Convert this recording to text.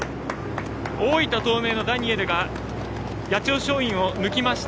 大分東明のダニエルが八千代松陰を抜きました。